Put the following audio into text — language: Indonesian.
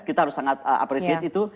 kita harus sangat apresiasi itu